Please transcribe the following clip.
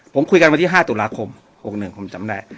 ผมคุยกันวันที่๕ตุลาคม๖๑ผมจำได้